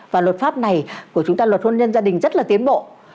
và luật pháp này của chúng ta luật hôn nhân gia đình rất là tiến bộ